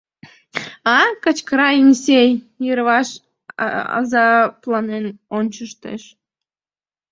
А? — кычкыра Эсеней, йырваш азапланен ончыштеш.